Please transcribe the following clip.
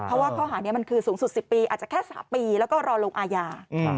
เพราะว่าข้อหานี้มันคือสูงสุด๑๐ปีอาจจะแค่๓ปีแล้วก็รอลงอาญา